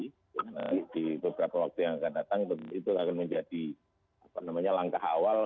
karena di beberapa waktu yang akan datang itu akan menjadi langkah awal